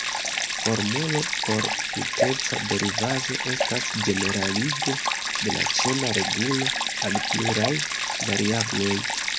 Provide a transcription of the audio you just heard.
Formulo por tuteca derivaĵo estas ĝeneraligo de la ĉena regulo al pluraj variabloj.